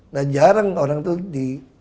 nah jarang orang itu di